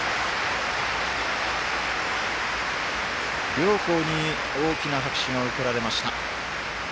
両校に大きな拍手が送られました。